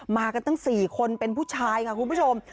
มากันตั้ง๔คนเป็นผู้ชายค่ะคุณผู้ชม